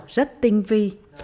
rất tinh vi